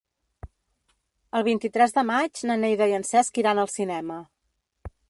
El vint-i-tres de maig na Neida i en Cesc iran al cinema.